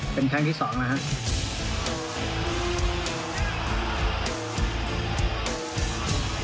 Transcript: เป็นครั้งที่๒แล้วครับ